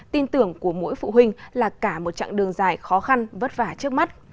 tin tưởng của mỗi phụ huynh là cả một chặng đường dài khó khăn vất vả trước mắt